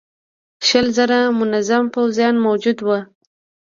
شل زره منظم پوځيان موجود ول.